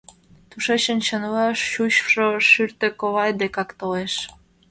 Тушечын чынла чучшо шӱртӧ ковай декак толеш.